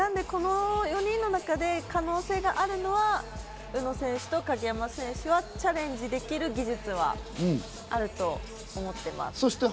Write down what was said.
この４人の中で可能性があるのは、宇野選手と鍵山選手はチャレンジできる技術があると思っています。